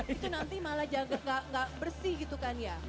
itu nanti malah jaga gak bersih gitu kan ya